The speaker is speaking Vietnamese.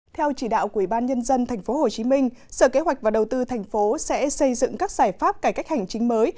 theo chỉ đạo quỹ ban nhân dân tp hcm sở kế hoạch và đầu tư tp hcm sẽ xây dựng các giải pháp cải cách hành chính mới